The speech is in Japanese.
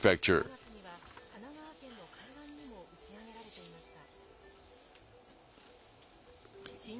５月には神奈川県の海岸にも打ち上げられていました。